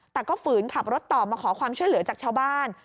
แต่ก็ฝืนขับรถต่อมาขอความช่วยเหลือจากชาวบ้าน